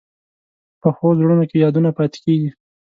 پخو زړونو کې یادونه پاتې کېږي